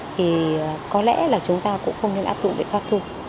thì có lẽ là chúng ta cũng không nên áp dụng biện pháp thu